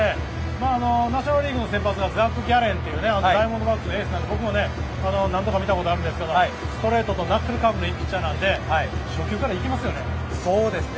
ナショナル・リーグの先発がザック・ゲーレンというダイヤモンドバックスのエースなので僕も何度か見たことあるんですがストレートとナックルカーブのいいピッチャーなのでそうですね。